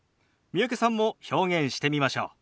三宅さんも表現してみましょう。